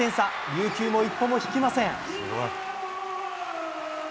琉球も一歩も引きません。